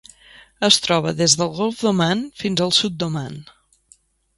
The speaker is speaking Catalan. Es troba des del Golf d'Oman fins al sud d'Oman.